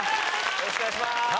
よろしくお願いします